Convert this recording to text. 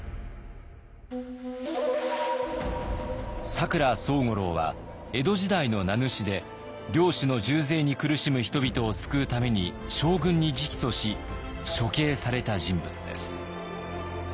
佐倉惣五郎は江戸時代の名主で領主の重税に苦しむ人々を救うために将軍に直訴し処刑された人物です。